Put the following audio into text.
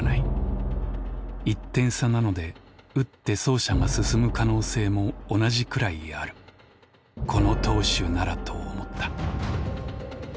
１点差なので打って走者が進む可能性も同じくらいあるこの投手ならと思った。